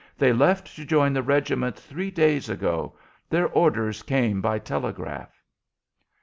They left to join the regiment three days ago; their orders came by telegraph."